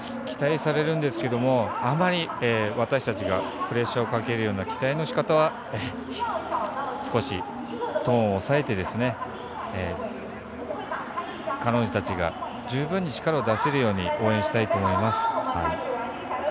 期待されるんですけどあまり私たちがプレッシャーをかけるような期待のしかたは少し、トーンを抑えて彼女たちが十分に力を出せるように応援したいと思います。